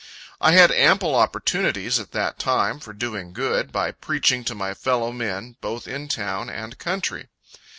I had ample opportunities at that time, for doing good, by preaching to my fellow men, both in town and country.